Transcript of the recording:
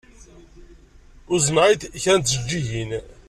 Uzneɣ-ak-d kra n tjeǧǧigin.